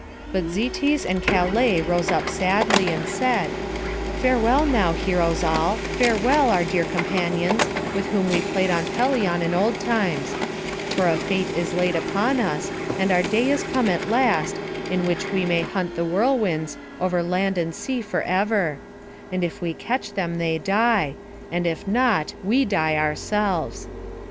But Zetes and Calais rose up sadly; and said: "Farewell now, heroes all; farewell, our dear companions, with whom we played on Pelion in old times; for a fate is laid upon us, and our day is come at last, in which we may hunt the whirlwinds, over land and sea forever; and if we catch them they die, and if not, we die ourselves."